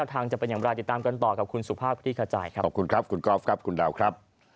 ทางจะเป็นอย่างไรติดตามกันต่อกับคุณสุภาพคลิกขจายครับขอบคุณครับคุณกอล์ฟครับคุณดาวครับ